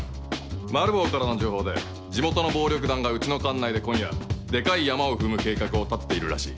マルボウからの情報で地元の暴力団がうちの管内で今夜デカいヤマを踏む計画を立てているらしい。